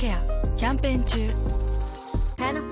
キャンペーン中。